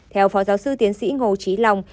theo phó giáo sư tiến sĩ ngô trí long